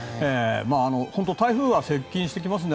本当に台風は接近してきますので